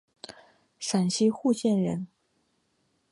陕西户县人。